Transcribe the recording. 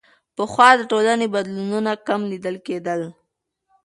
پخوا د ټولنې بدلونونه کم لیدل کېدل.